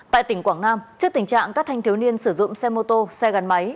tại tỉnh quảng nam trước tình trạng các thanh thiếu niên sử dụng xe mô tô xe gắn máy